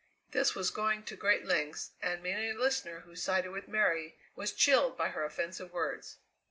This was going to great lengths, and many a listener who sided with Mary was chilled by her offensive words.